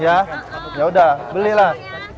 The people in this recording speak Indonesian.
ya yaudah belilah